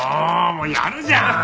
もうやるじゃん！